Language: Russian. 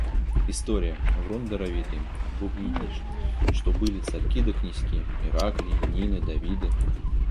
История — врун даровитый, бубнит лишь, что были царьки да князьки: Ираклии, Нины, Давиды.